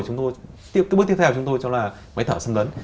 cái bước tiếp theo chúng tôi cho là máy thở xâm lấn